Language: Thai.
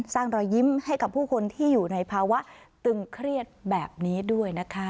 รอยยิ้มให้กับผู้คนที่อยู่ในภาวะตึงเครียดแบบนี้ด้วยนะคะ